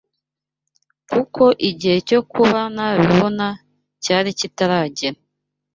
kuko igihe cyo kuba nabibona cyari kitaragera